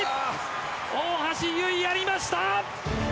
大橋悠依、やりました！